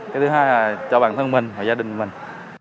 cái thứ hai là cho bản thân mình và gia đình mình